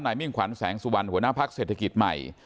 มิ่งขวัญแสงสุวรรณหัวหน้าพักเศรษฐกิจใหม่